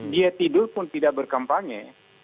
dia tidur pun tidak berkampanye